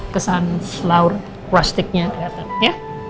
kesan flower rustic nya kelihatan